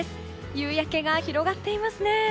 夕焼けが広がっていますね。